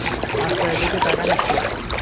আচ্ছা, এদিকে তাকান একটু।